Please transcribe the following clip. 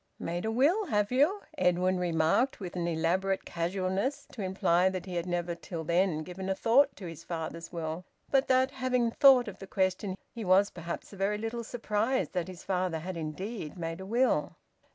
"Made a will, have you?" Edwin remarked, with an elaborate casualness to imply that he had never till then given a thought to his father's will, but that, having thought of the question, he was perhaps a very little surprised that his father had indeed made a will.